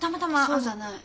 そうじゃない。